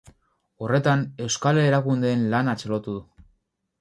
Horretan, euskal erakundeen lana txalotu du.